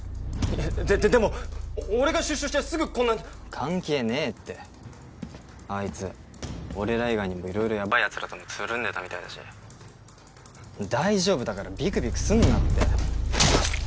でででも俺が出所してすぐこんな関係ねえってあいつ俺ら以外にも色々ヤバイヤツらともつるんでたみたいだし大丈夫だからビクビクすんなって